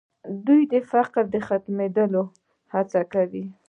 دوی د فقر د ختمولو هڅه کوي.